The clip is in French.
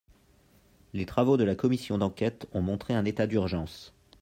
Les travaux de la commission d’enquête ont montré un état d’urgence.